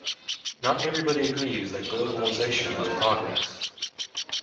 Not everybody agrees that globalisation is progress